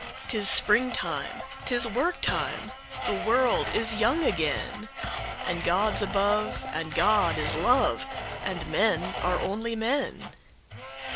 'Tis springtime! 'Tis work time! The world is young again! And God's above, and God is love, And men are only men.